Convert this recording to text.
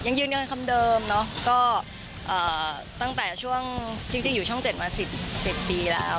ยังยืนยันคำเดิมเนอะก็ตั้งแต่ช่วงจริงอยู่ช่อง๗มา๑๐ปีแล้ว